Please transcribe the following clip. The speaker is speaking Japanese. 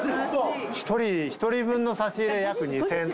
１人分の差し入れ約２，０００円。